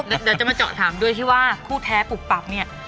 เดี๋ยวจะมาเจาะถามด้วยที่ว่าคู่แท้ปุบปับเนี่ย